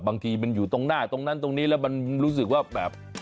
บางทีมันอยู่ตรงหน้าตรงนั้นตรงนี้แล้วมันรู้สึกว่าแบบ